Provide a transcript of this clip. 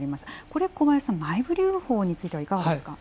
これ小林さん内部留保についてはいかがですか？